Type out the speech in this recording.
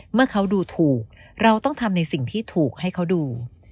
เมื่อเขาดูถูกเราต้องทำในสิ่งที่ถูกให้เขาดู